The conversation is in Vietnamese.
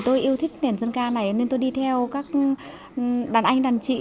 tôi yêu thích nền dân ca này nên tôi đi theo các đàn anh đàn chị